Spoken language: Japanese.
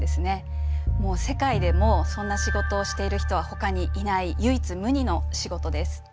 もう世界でもそんな仕事をしている人はほかにいない唯一無二の仕事です。